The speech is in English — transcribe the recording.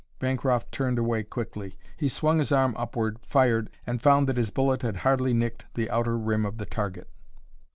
Bancroft turned away quickly. He swung his arm upward, fired, and found that his bullet had hardly nicked the outer rim of the target.